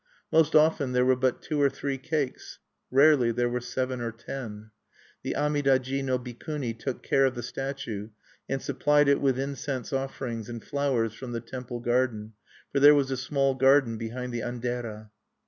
Most often there were but two or three cakes; rarely there were seven or ten. The Amida ji no Bikuni took care of the statue, and supplied it with incense offerings, and flowers from the temple garden; for there was a small garden behind the An dera.